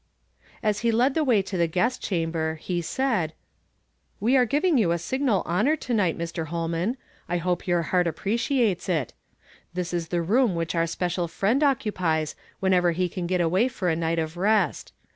As he led the way to the guest cluunber, he said, — ''We are giving j^ou a signal honor to night, Mr. Ilolnian; I hope your heart appreciates it. This is the room which our si)ecial friend occu pies ^^iu■ncver he can get away for a night of rest.